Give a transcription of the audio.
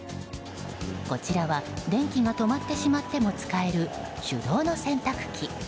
こちらは電気が止まってしまっても使える手動の洗濯機。